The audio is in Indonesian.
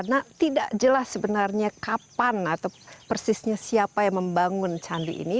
nah tidak jelas sebenarnya kapan atau persisnya siapa yang membangun candi ini